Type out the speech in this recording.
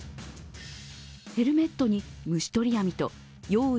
ヘルメットに虫捕り網と用意